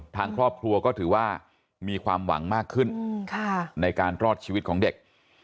ทางครอบครัวก็ถือว่ามีความหวังมากขึ้นในการรอดชีวิตของเด็ก